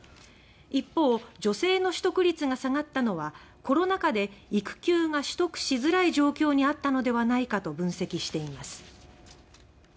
一方女性の取得率が下がったのは「コロナ禍で育休が取得しづらい状況にあったのではないか」と分析しています。